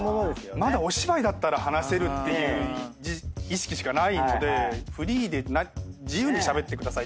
まだお芝居だったら話せるっていう意識しかないのでフリーで自由にしゃべってくださいって言われたら。